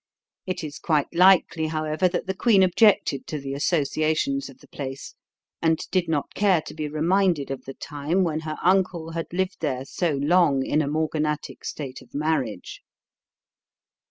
It is quite likely, however, that the queen objected to the associations of the place, and did not care to be reminded of the time when her uncle had lived there so long in a morganatic state of marriage.